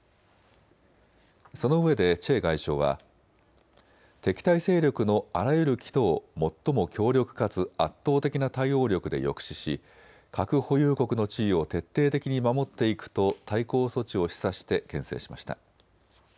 そのうえでチェ外相は敵対勢力のあらゆる企図を最も強力かつ圧倒的な対応力で抑止し、核保有国の地位を徹底的に守っていくと対抗措置を示唆してけん制しました。